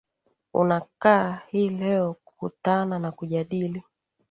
unakaa hii leo kukutana na kujadili